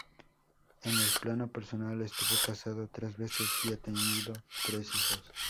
En el plano personal estuvo casado tres veces y ha tenido tres hijos.